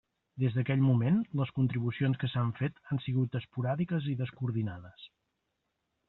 Des d'aquell moment, les contribucions que s'han fet han sigut esporàdiques i descoordinades.